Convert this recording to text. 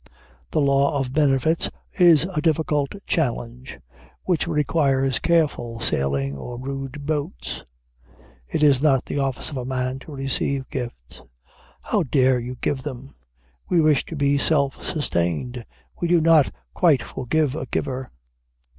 The law of benefits is a difficult channel, which requires careful sailing, or rude boats. It is not the office of a man to receive gifts. How dare you give them? We wish to be self sustained. We do not quite forgive a giver.